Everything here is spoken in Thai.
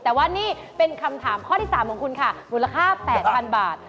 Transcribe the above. แต่ว่านี่เป็นคำถามข้อที่๓ของคุณค่ะมูลค่า๘๐๐๐บาท